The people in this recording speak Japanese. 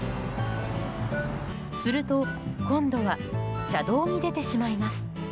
すると、今度は車道に出てしまいます。